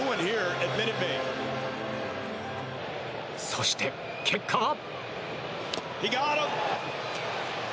そして、結果は。